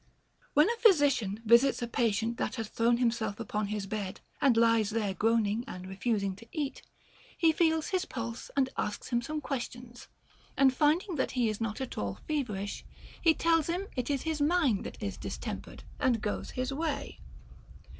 4. When a physician visits a patient that has thrown himself upon his bed and lies there groaning and refusing to eat, he feels his pulse and asks him some questions ; OF THE LOVE OF WEALTH. 297 and finding that he is not at all feverish, he tells him it is his mind that is distempered, and goes his way.